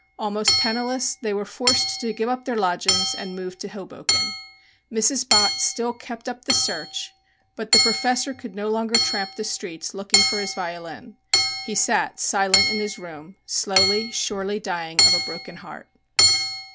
Almost penniless they were forced to give up their lodgings and move to Hoboken. Mrs. Bott still kept up the search, but the professor could no longer tramp the streets looking for his violin. He sat silent in his room, slowly, surely, dying of a broken heart.